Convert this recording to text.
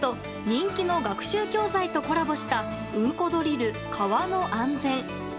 人気の学習教材とコラボした「うんこドリル川の安全」。